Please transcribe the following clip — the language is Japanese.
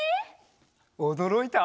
おどろいた？